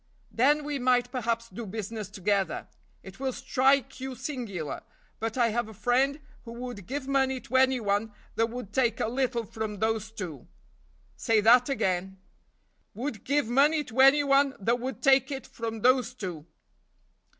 "Then we might perhaps do business together; it will strike you singular, but I have a friend who would give money to any one that would take a little from those two." "Say that again." "Would give money to any one that would take it from those two."